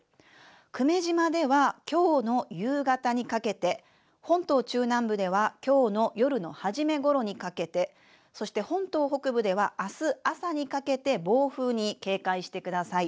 久米島ではきょうの夕方にかけて、本島中南部ではきょうの夜の初めごろにかけて、そして本島北部ではあす朝にかけて暴風に警戒してください。